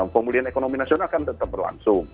pemulihan ekonomi nasional kan tetap berlangsung